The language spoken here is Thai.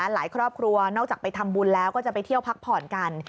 หลายครอบครัวนอกจากไปทำบุญแล้วก็จะไปเที่ยวพักผ่อนกัน